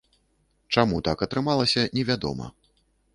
Чаму так атрымалася, невядома.